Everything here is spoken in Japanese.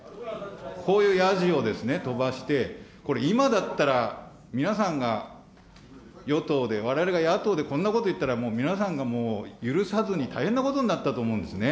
こういうやじを飛ばして、これ今だったら、皆さんが与党で、われわれが野党でこんなこと言ったら、もう皆さんが、もう許さずに大変なことになったと思うんですね。